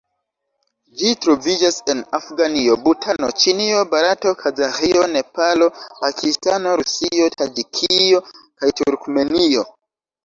Ĝi troviĝas en Afganio, Butano, Ĉinio, Barato, Kazaĥio, Nepalo, Pakistano, Rusio, Taĝikio kaj Turkmenio.